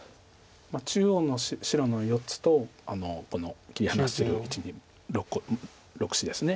中央の白の４つとこの切り離してる１２６子です。